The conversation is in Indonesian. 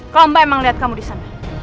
kalo mbak emang liat kamu di sana